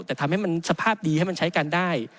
แต่ทำให้มันสภาพดีให้มันใช้กันได้